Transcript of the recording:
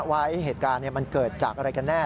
ว่าเหตุการณ์มันเกิดจากอะไรกันแน่